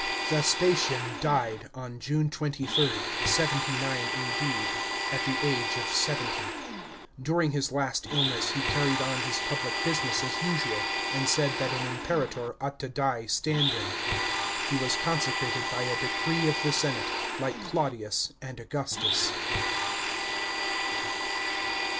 § 9. Vespasian died on June 23, 79 A.D. at the age of seventy. During his last illness he carried on his public business as usual, and said that an Imperator ought to die standing. He was consecrated by a decree of the senate, like Claudius and Augustus.